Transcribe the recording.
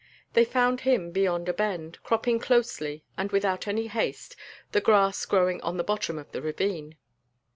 They found him beyond a bend, cropping closely and without any haste the grass growing on the bottom of the ravine.